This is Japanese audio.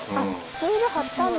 シール貼ったんだ。